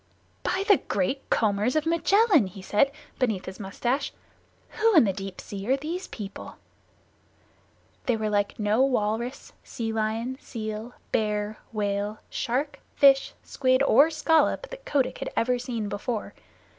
"By the Great Combers of Magellan!" he said, beneath his mustache. "Who in the Deep Sea are these people?" They were like no walrus, sea lion, seal, bear, whale, shark, fish, squid, or scallop that Kotick had ever seen before.